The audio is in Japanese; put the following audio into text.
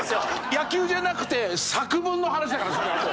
野球じゃなくて作文の話だからそのあと。